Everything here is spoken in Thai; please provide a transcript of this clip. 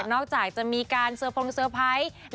จากจะมีการเซอร์พงเซอร์ไพรส์